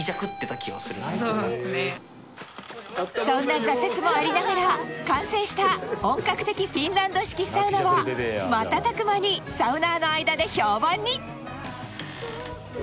そんな挫折もありながら完成した本格的フィンランド式サウナは瞬く間にサウナーの間で評判に！